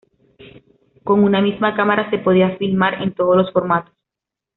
Con una misma cámara se podía filmar en todos los formatos.